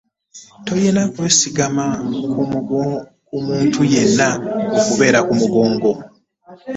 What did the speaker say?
Tolina kwesigama ku muntu yenna akubeera ku mugongo.